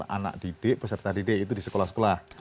anak didik peserta didik itu di sekolah sekolah